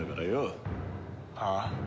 はあ？